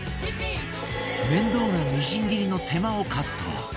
面倒なみじん切りの手間をカット！